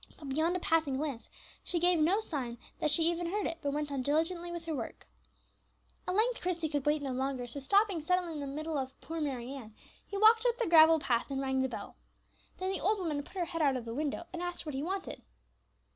But, beyond a passing glance, she gave no sign that she even heard it, but went on diligently with her work. At length Christie could wait no longer; so stopping suddenly in the middle of "Poor Mary Ann," he walked up the gravel path and rang the bell. Then the old woman put her head out of the window and asked what he wanted.